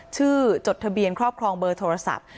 จดทะเบียนครอบครองเบอร์โทรศัพท์